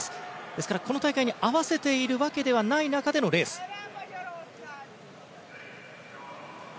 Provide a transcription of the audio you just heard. ですから、この大会に合わせているわけではない中でのレースです。